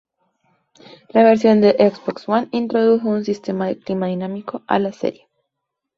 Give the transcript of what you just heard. La versión de Xbox One introdujo un sistema de clima dinámico a la serie.